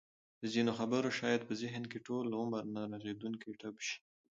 د ځینو خبره شاید په ذهن کې ټوله عمر نه رغېدونکی ټپ شي.